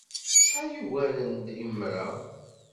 Acḥal yugaren d imra!